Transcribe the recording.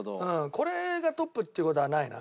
これがトップっていう事はないな。